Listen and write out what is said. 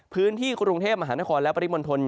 พื้นที่กรุงเทพมหานครและปริมณฑล